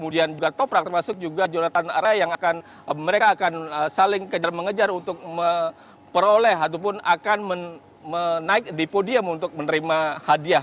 dan juga toprak termasuk juga jonathan ray yang akan mereka akan saling mengejar untuk memperoleh ataupun akan menaik di podium untuk menerima hadiah